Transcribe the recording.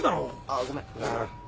あぁごめん。